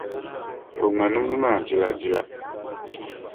O ŋma nimdi maa jila jila.